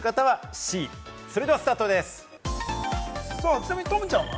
ちなみに十夢ちゃんは？